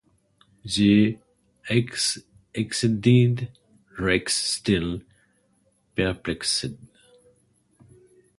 They ascended, Rex still perplexed.